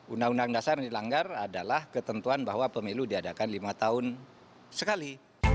undang undang dasar yang dilanggar adalah ketentuan bahwa pemilu diadakan lima tahun sekali